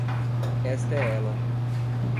Esta é ela.